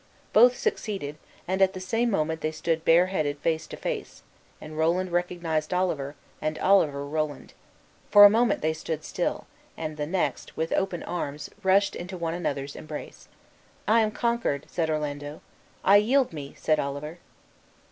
Both succeeded, and at the same moment they stood bare headed face to face, and Roland recognized Oliver, and Oliver Roland. For a moment they stood still; and the next, with open arms, rushed into one another's embrace. "I am conquered," said Orlando. "I yield me." said Oliver.